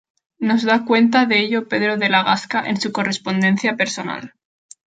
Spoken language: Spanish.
Nos da cuenta de ello Pedro de la Gasca en su correspondencia personal.